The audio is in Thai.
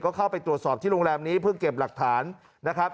ก็เข้าไปตรวจสอบที่โรงแรมนี้เพื่อเก็บหลักฐานนะครับ